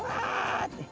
って。